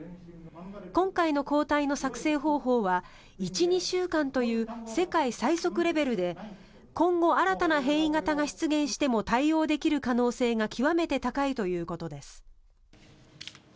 今回の抗体の作成方法は１２週間という世界最速レベルで今後新たな変異型が出現しても対応できる可能性が極めて高いということです。